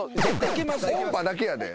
音波だけやで。